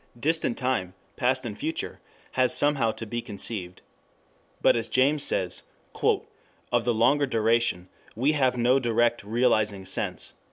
Distant time, past and future, has somehow to be conceived. But as James says, "of the longer duration we have no direct 'realizing' sense."